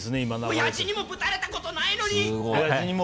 おやじにもぶたれたことないのに！